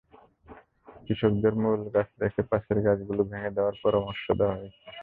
কৃষকদের মূল গাছ রেখে পাশের গাছগুলো ভেঙে দেওয়ার পরামর্শ দেওয়া হয়েছে।